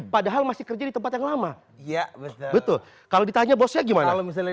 padahal masih kerja di tempat yang lama iya betul kalau ditanya bosnya gimana misalnya